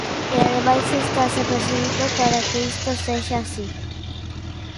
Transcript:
E ademais estase perseguindo para que isto sexa así.